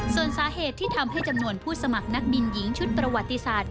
ส่วนสาเหตุที่ทำให้จำนวนผู้สมัครนักบินหญิงชุดประวัติศาสตร์